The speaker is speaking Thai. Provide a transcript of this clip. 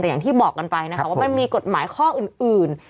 แต่อย่างที่บอกกันไปนะคะว่ามันมีกฎหมายข้ออื่น